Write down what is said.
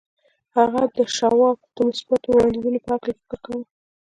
هغه د شواب د مثبتو وړاندیزونو په هکله فکر کاوه